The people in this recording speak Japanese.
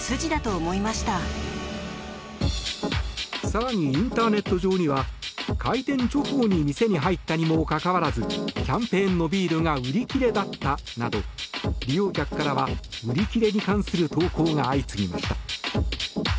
更に、インターネット上には開店直後に店に入ったにもかかわらずキャンペーンのビールが売り切れだったなど利用客からは、売り切れに関する投稿が相次ぎました。